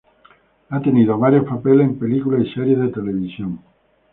Ha tenido varios papeles en películas y series de televisión.